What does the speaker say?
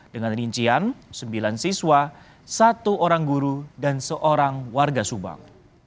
dengan rincian sembilan siswa satu orang guru dan seorang warga subang